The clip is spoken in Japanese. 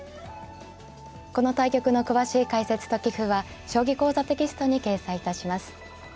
この対局の詳しい解説と棋譜は「将棋講座」テキストに掲載いたします。